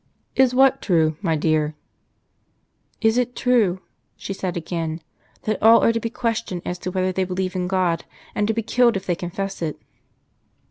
"Is what true, my dear?" "Is it true," she said again, "that all are to be questioned as to whether they believe in God, and to be killed if they confess it?"